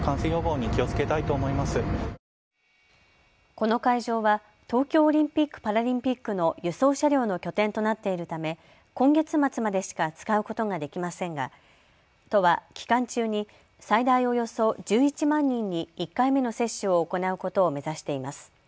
この会場は東京オリンピック・パラリンピックの輸送車両の拠点となっているため今月末までしか使うことができませんが、都は期間中に最大およそ１１万人に１回目の接種を行うことを目指しています。